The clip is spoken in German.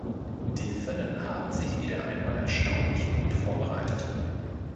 Die Finnen haben sich wieder einmal erstaunlich gut vorbereitet.